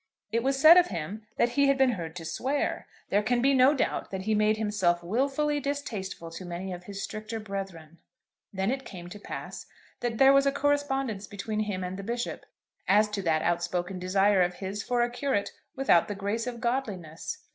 It was said of him that he had been heard to swear. There can be no doubt that he made himself wilfully distasteful to many of his stricter brethren. Then it came to pass that there was a correspondence between him and the bishop as to that outspoken desire of his for a curate without the grace of godliness.